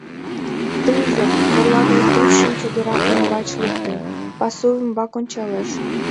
Тылзе, сорла гай тӱсшым чодыра ӱмбач луктын, пасу ӱмбак ончалеш.